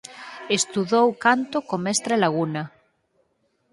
Estudou canto co mestre Laguna.